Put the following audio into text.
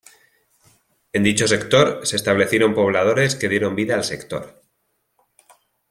En dicho sector, se establecieron pobladores que dieron vida al sector.